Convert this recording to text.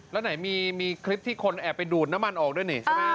แล้วไหนมีคลิปที่คนแอบไปดูดน้ำมันออกด้วยนี่ใช่ไหม